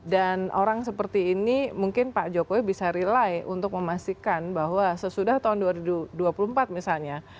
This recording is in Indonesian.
dan orang seperti ini mungkin pak jokowi bisa rely untuk memastikan bahwa sesudah tahun dua ribu dua puluh empat misalnya